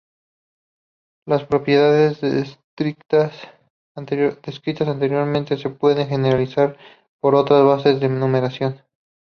Las propiedades descritas anteriormente se pueden generalizar para otras bases de numeración.